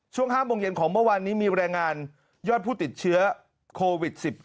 ช่วง๕โมงเย็นของเมื่อวานนี้มีรายงานยอดผู้ติดเชื้อโควิด๑๙